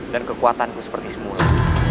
dan kekuatanku seperti semua